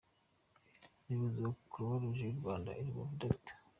Umuyobozi wa Croix Rouge y’u Rwanda i Rubavu, Dr.